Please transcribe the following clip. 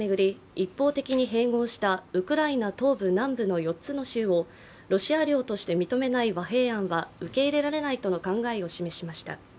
一方的に併合したウクライナ東部・南部の４つの州をロシア領として認めない和平案は受け入れられないとの考えを示しました。